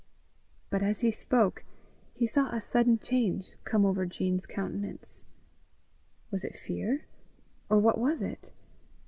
But as he spoke, he saw a sudden change come over Jean's countenance. Was it fear? or what was it?